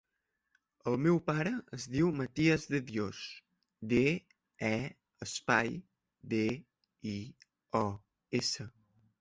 El meu pare es diu Matías De Dios: de, e, espai, de, i, o, essa.